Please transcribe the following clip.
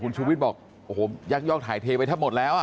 แต่คุณชุวิวิทย์บอกยักษ์ยอกถ่ายเพลงไปทั้งหมดแล้ว